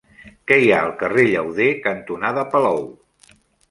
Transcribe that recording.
Què hi ha al carrer Llauder cantonada Palou?